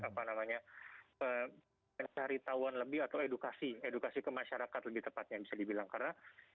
apa namanya mencari tahuan lebih atau edukasi edukasi ke masyarakat lebih tepatnya bisa dibilang karena